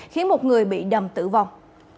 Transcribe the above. khiến một người bị đầm tử vong